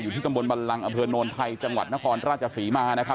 อยู่ที่กระบวนบรรลังอเผือนนวลไทยจังหวัดนครราชภรีมา่นะครับ